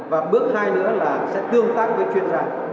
và bước hai nữa là sẽ tương tác với chuyên gia